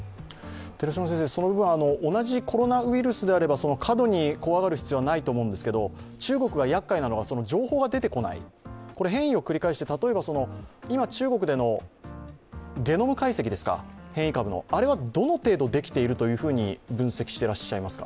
その部分、同じコロナウイルスであれば過度に怖がる必要はないと思うんですが、中国がやっかいなのが、情報が出てこない、変異を繰り返して、例えば今、中国でのゲノム解析ですか、変異株の、あれはどの程度できてきていると分析されていらっしゃいますか。